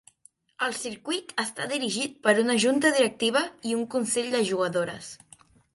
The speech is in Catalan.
El circuit està dirigit per una junta directiva i un consell de jugadores.